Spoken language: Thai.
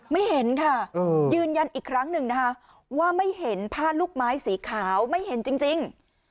ไม่เห็นค่ะยืนยันอีกครั้งหนึ่งนะคะว่าไม่เห็นผ้าลูกไม้สีขาวไม่เห็นจริง